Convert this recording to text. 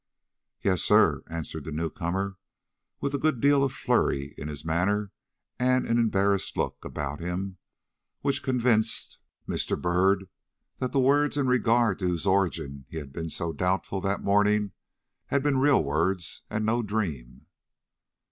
"Yes, sir," answered the new comer, with a good deal of flurry in his manner and an embarrassed look about him, which convinced Mr. Byrd that the words in regard to whose origin he had been so doubtful that morning, had been real words and no dream.